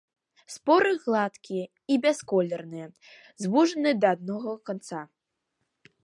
Споры гладкія і бясколерныя, звужаныя да аднаго канца.